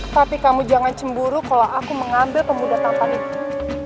tapi kamu jangan cemburu kalau aku mengambil pemuda tampan itu